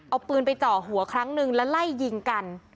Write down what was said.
เอาปืนไปเจาะหัวครั้งนึงแล้วไล่ยิงกัน